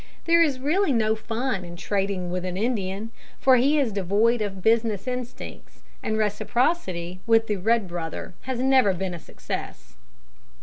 There is really no fun in trading with an Indian, for he is devoid of business instincts, and reciprocity with the red brother has never been a success.